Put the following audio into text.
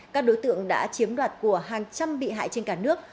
các đối tượng đã chiếm đoạt của hàng trăm bị hại trên cả nước